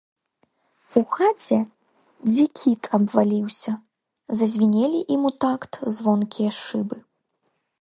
У хаце, дзе кіт абваліўся, зазвінелі ім у такт звонкія шыбы.